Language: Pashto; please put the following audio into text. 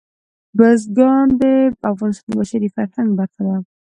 بزګان د افغانستان د بشري فرهنګ برخه ده.